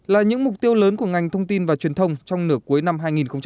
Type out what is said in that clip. là những mục tiêu lớn của ngành thông tin và truyền thông trong nửa cuối năm hai nghìn hai mươi